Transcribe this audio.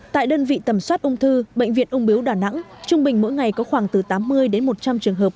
tại đơn vị tầm soát ung thư bệnh viện ung biếu đà nẵng trung bình mỗi ngày có khoảng từ tám mươi đến một trăm linh trường hợp